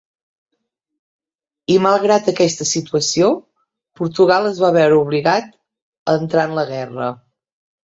I malgrat aquesta situació, Portugal es va veure obligat a entrar en la guerra.